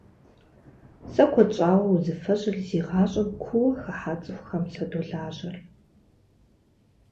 Сэ куэд щӏауэ узыфэжьыр зи гъащӏэм куууэ хыхьа цӏыхухэм садолажьэр.